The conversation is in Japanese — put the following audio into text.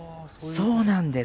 そうなんです。